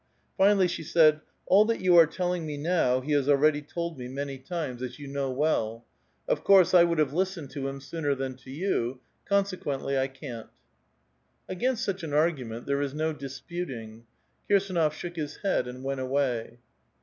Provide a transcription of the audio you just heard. Finally she said: "All that you are telling me now, he has already told me man}'' times, as A VITAL QUESTION. 193 you know well. Of course, I would have listened to him sooner than to you ; consequently, I can't." Against such an argument there is no disputing. Kirsdnof shook his head and went away.